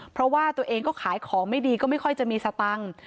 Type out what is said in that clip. เพราะว่าตัวเองก็ขายของไม่ดีก็ไม่ค่อยจะมีสตังค์